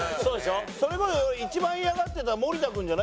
それこそ一番嫌がってた森田君じゃない？